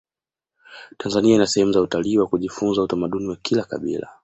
tanzania ina sehemu za utalii wa kujifunza utamaduni wa kila kabila